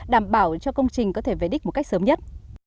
đảm bảo cho công trình có thể về đích một cách sớm nhất